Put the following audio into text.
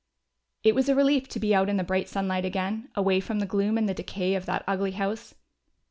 It was a relief to be out in the bright sunlight again, away from the gloom and the decay of that ugly house.